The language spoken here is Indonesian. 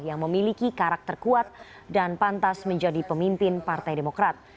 yang memiliki karakter kuat dan pantas menjadi pemimpin partai demokrat